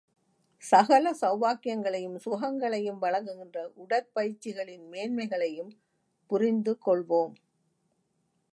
சகல செளபாக்கியங்களையும், சுகங்களையும் வழங்குகின்ற உடற்பயிற்சிகளின் மேன்மைகளையும் புரிந்துகொள்வோம்.